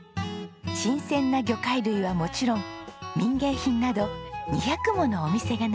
新鮮な魚介類はもちろん民芸品など２００ものお店が並んでいます。